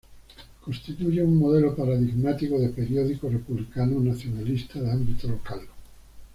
Constituye un modelo paradigmático de periódico republicano nacionalista de ámbito local.